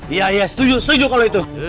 iya ya setuju setuju kalau itu